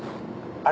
「あれ」